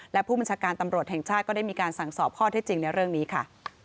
และผู้บัญชาการตำรวจแห่งชาติก็ได้มีการสั่งสอบข้อเท็จจริงในเรื่องนี้ค่ะ